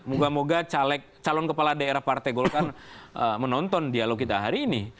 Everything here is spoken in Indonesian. moga moga calon kepala daerah partai golkar menonton dialog kita hari ini